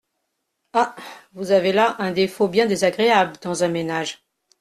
Ah ! vous avez là un défaut bien désagréable dans un ménage !